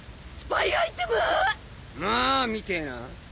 まあ見てな。